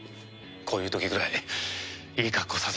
こういう時ぐらいいい格好させてくれ。